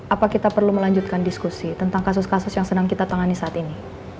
apa kita perlu melanjutkan diskusi tentang kasus kasus yang sedang kita tangani saat ini